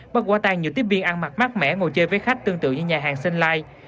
bắt qua tàn nhiều tiết viên ăn mặc mát mẻ ngồi chơi với khách tương tự như nhà hàng sunlight